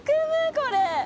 これ。